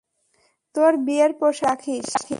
তোর বিয়ের পোশাক তৈরি রাখিস।